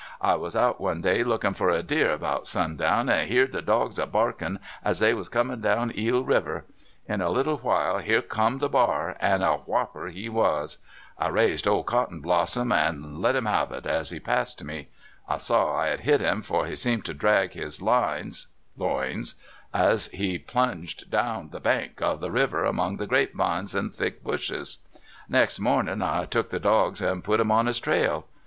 I was out one day lookin' for a deer about sundown, and hecrd 112 The Ethics of Grizzly Hunting. the dogs a barkin' as they was comiu' down EeJ Kiver> lu a little while here come the bar, an' a whopper he was ! I raised old Cottonblossom, and let him have it as he passed me. I saw I had hit lum, for he seemed to drag his lines [loins] as he plunged down the bank of the river among the grape vines and thick bushes, Next morniu' I took the dogs and put 'em on his trail.